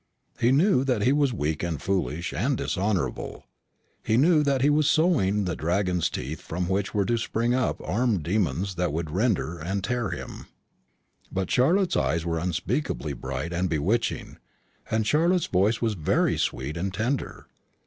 He knew that he was weak and foolish and dishonourable; he knew that he was sowing the dragon's teeth from which were to spring up armed demons that would rend and tear him. But Charlotte's eyes were unspeakably bright and bewitching, and Charlotte's voice was very sweet and tender.